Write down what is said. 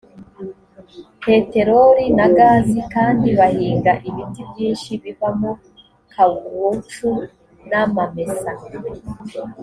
peteroli na gazi kandi bahinga ibiti byinshi bivamo kawucu n amamesa